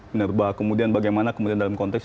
menerba kemudian bagaimana dalam konteks